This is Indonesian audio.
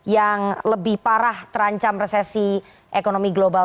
yang lebih parah terancam resesi ekonomi global